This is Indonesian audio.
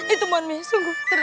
itu bang mi sungguh terlalu